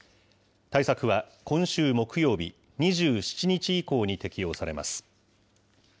対策は、今週木曜日２７日以降に適用されます。